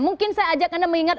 mungkin saya ajak anda mengingat